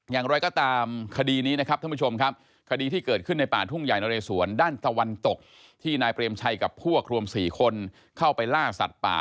อย่างไรก็ตามคดีนี้นะครับท่านผู้ชมครับ